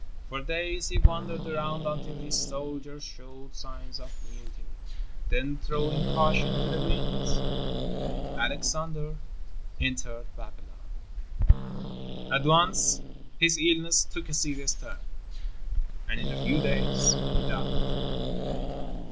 For days he wandered around until his soldiers showed signs of mutiny. Then, throwing caution to the winds, Alexander entered Babylon. At once his illness took a serious turn, and in a few days he died.